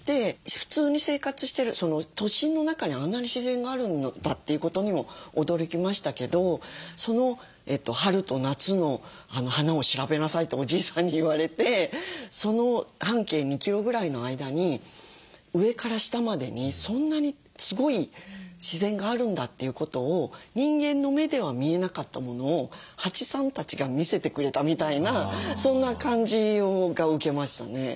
普通に生活してる都心の中にあんなに自然があるんだっていうことにも驚きましたけど春と夏の花を調べなさいっておじいさんに言われて半径２キロぐらいの間に上から下までにそんなにすごい自然があるんだということを人間の目では見えなかったものを蜂さんたちが見せてくれたみたいなそんな感じを受けましたね。